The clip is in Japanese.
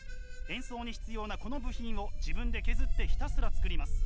演奏に必要なこの部品を自分で削ってひたすら作ります。